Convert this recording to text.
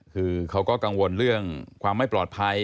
คือเขาก็กังวลเรื่องความไม่ปลอดภัย